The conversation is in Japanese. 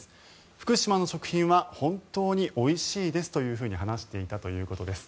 福島の食品は本当においしいですと話していたということです。